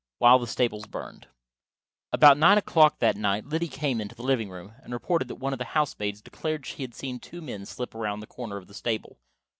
WHILE THE STABLES BURNED About nine o'clock that night Liddy came into the living room and reported that one of the housemaids declared she had seen two men slip around the corner of the stable.